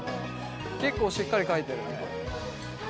結構しっかりかいてるね。